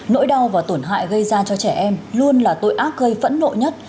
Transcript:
nỗi đau và tổn hại gây ra cho trẻ em luôn là tội ác gây phẫn nộ nhất